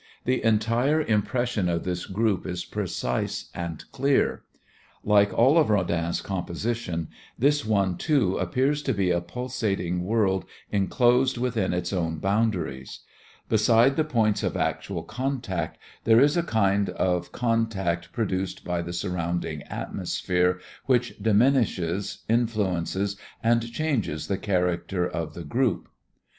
The entire impression of this group is precise and clear. Like all of Rodin's compositions, this one, too, appears to be a pulsating world enclosed within its own boundaries. Beside the points of actual contact there is a kind of contact produced by the surrounding atmosphere which diminishes, influences and changes the character of the group.